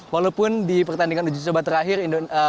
walaupun di pertandingan tujuh jumat terakhir